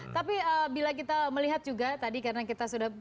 tapi bila kita melihat juga tadi karena kita sudah